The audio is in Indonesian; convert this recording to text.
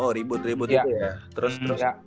oh ribut ribut itu ya